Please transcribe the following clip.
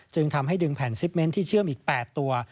จึงทำให้ดึงแผ่นซิปเมนต์ที่เชื่อมอีก๘ตัว